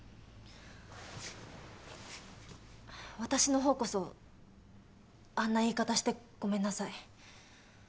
私のほうこそあんな言い方してごめんなさい。